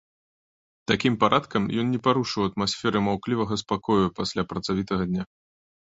Такім парадкам ён не парушыў атмасферы маўклівага спакою пасля працавітага дня.